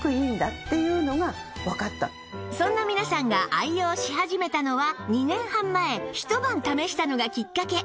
そんな皆さんが愛用し始めたのは２年半前ひと晩試したのがきっかけ